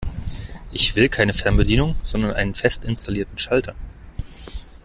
Ich will keine Fernbedienung, sondern einen fest installierten Schalter.